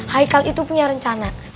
haikal itu punya rencana